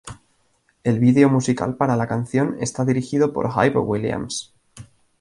El vídeo musical para la canción está dirigido por Hype Williams.